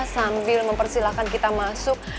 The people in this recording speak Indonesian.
sambil mempersilahkan kita masuk